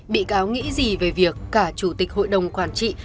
bị cáo nghĩ gì về việc cả chủ tịch hội đồng quản trị